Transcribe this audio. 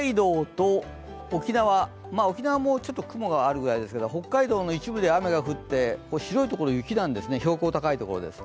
沖縄もちょっと雲があるぐらいですけど北海道の一部では雨が降って白い所、雪なんですね、標高が高い所です。